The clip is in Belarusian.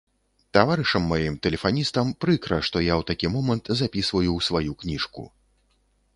Таварышам маім, тэлефаністам, прыкра, што я ў такі момант запісваю ў сваю кніжку.